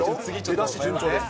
出だし順調です。